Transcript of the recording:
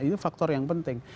itu faktor yang penting